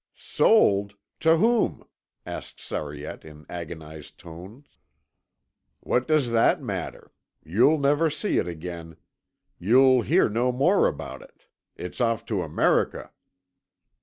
"Sold? To whom?" asked Sariette in agonized tones. "What does that matter? You'll never see it again. You'll hear no more about it; it's off to America."